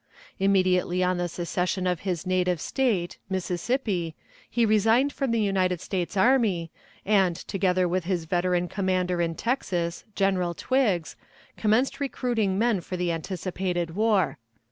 Immediately on the secession of his native State, Mississippi, he resigned from the United States Army, and, together with his veteran commander in Texas, General Twiggs, commenced recruiting men for the anticipated war.